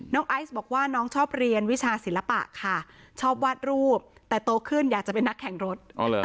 ไอซ์บอกว่าน้องชอบเรียนวิชาศิลปะค่ะชอบวาดรูปแต่โตขึ้นอยากจะเป็นนักแข่งรถ